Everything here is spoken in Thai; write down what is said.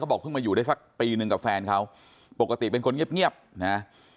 เขาบอกมาอยู่ได้สักปีนึงกับแฟนเขาปกติเป็นคนเงียบนะ